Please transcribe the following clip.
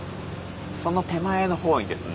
その手前のほうにですね。